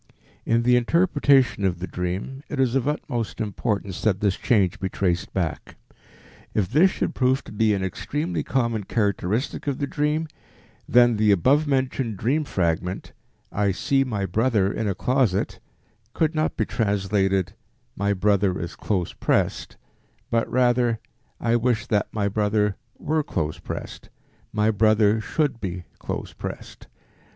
In the interpretation of the dream it is of utmost importance that this change be traced back. If this should prove to be an extremely common characteristic of the dream, then the above mentioned dream fragment, "I see my brother in a closet" could not be translated, "My brother is close pressed," but rather, "I wish that my brother were close pressed, my brother should be close pressed."